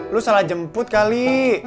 lu salah jemput kali